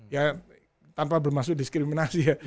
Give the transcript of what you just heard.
ya tanpa bermaksud diskriminasi ya